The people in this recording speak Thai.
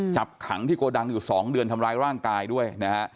จับขังที่โกดังอยู่๒เดือนทำร้ายร่างกายด้วยนะฮะ